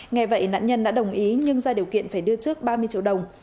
nghe vậy nạn nhân đã đồng ý nhưng ra điều kiện phải đưa trước ba mươi triệu đồng